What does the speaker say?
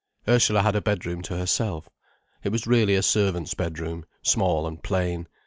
Ursula had a bedroom to herself. It was really a servants' bedroom, small and plain.